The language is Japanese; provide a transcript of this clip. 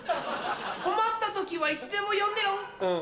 困った時はいつでも呼んでロン。